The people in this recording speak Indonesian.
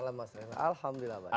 selamat malam mas ren alhamdulillah baik